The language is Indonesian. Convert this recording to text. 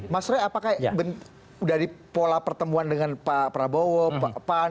mas roy apakah dari pola pertemuan dengan pak prabowo pan